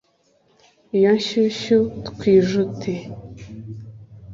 Iyo nshyushyu twijute.